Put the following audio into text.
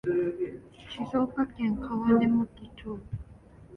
静岡県川根本町